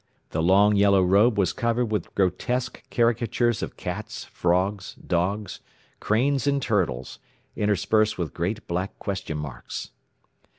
The long yellow robe was covered with grotesque caricatures of cats, frogs, dogs, cranes and turtles, interspersed with great black question marks.